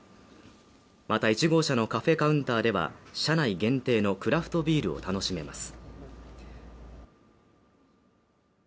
また１号車のカフェカウンターでは、車内限定のクラフトビールを楽しめます。